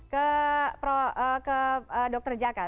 ke dokter jaka